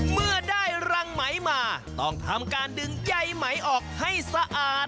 เมื่อได้รังไหมมาต้องทำการดึงใยไหมออกให้สะอาด